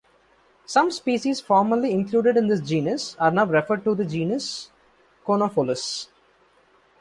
Some species formerly included in this genus are now referred to the genus "Conopholis".